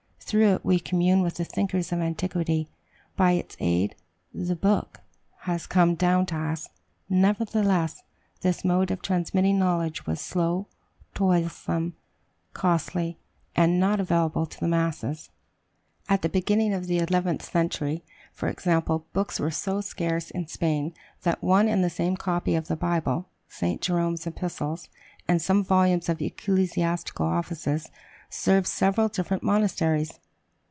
Through it we commune with the thinkers of antiquity. By its aid "the Book" has come down to us. Nevertheless, this mode of transmitting knowledge was slow, toilsome, costly, and not available to the masses. At the beginning of the eleventh century, for example, books were so scarce in Spain that one and the same copy of the Bible, St. Jerome's Epistles, and some volumes of ecclesiastical offices, served several different monasteries.